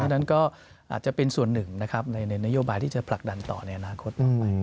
ดังนั้นก็อาจจะเป็นส่วนหนึ่งในนโยบายที่จะผลักดันต่อในอนาคต